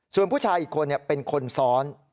ส่วนผู้ชายอีกคนเป็นคนซ้อน